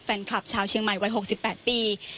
แฟนคลับชาวเชียงใหม่วัย๖๘ปี